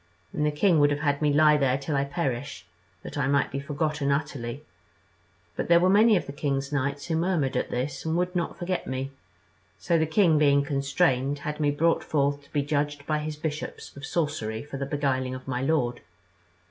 And the king would have had me lie there till I perished, that I might be forgotten utterly; but there were many of the king's knights who murmured at this, and would not forget me; so the king being constrained, had me brought forth to be judged by his bishops of sorcery for the beguiling of my lord.